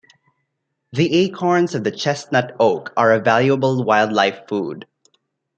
The acorns of the chestnut oak are a valuable wildlife food.